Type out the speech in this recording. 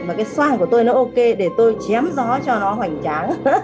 mà cái xoang của tôi nó ok để tôi chém gió cho nó hoành tráng